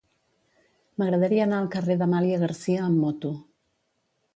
M'agradaria anar al carrer d'Amàlia Garcia amb moto.